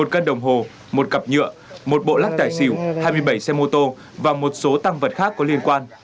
một cân đồng hồ một cặp nhựa một bộ lắc tài xỉu hai mươi bảy xe mô tô và một số tăng vật khác có liên quan